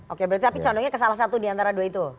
oke berarti tapi condongnya ke salah satu diantara dua itu